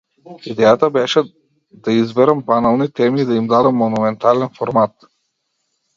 Идејата беше да изберам банални теми и да им дадам монументален формат.